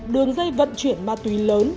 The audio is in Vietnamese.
đường dây vận chuyển ma túy lớn